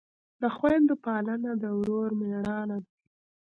د خویندو پالنه د ورور مړانه ده.